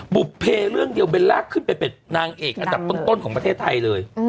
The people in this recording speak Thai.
บุภเพเรื่องเดียวเบลล่าขึ้นไปเป็นนางเอกอันดับต้นของประเทศไทยเลย